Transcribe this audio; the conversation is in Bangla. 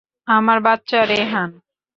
আমার বাচ্চা, রেহান!